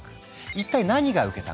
一体何が受けたのか。